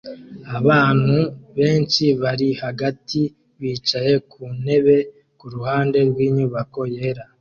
Abantu benshi bari hagati bicaye ku ntebe kuruhande rwinyubako yera